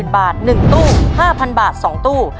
๑๐๐๐๐บาท๑ตู้๕๐๐๐บาท๒ตู้